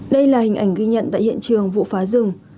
đây là hình ảnh ghi nhận tại hiện trường vụ phá rừng